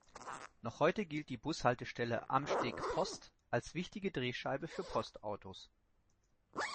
Noch heute gilt die Bushaltestelle "Amsteg Post" als wichtige Drehscheibe für Postautos.